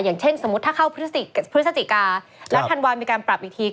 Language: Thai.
อย่างเช่นสมมุติถ้าเข้าพฤศจิกาแล้วธันวามีการปรับอีกที